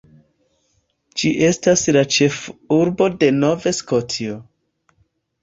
Ĝi estas la ĉefurbo de Nov-Skotio.